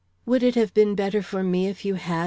"Would it have been better for me if you had?"